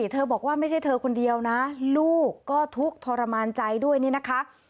เธอบอกว่าไม่ใช่เธอคนเดียวนะลูกก็ทุกข์ทรมานใจด้วยนี่นะคะ